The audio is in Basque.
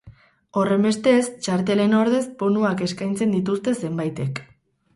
Horrenbestez, txartelen ordez bonuak eskaintzen dituzte zenbaitek.